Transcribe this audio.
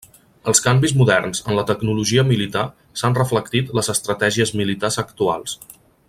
Els canvis moderns en la tecnologia militar s'han reflectit les estratègies militars actuals.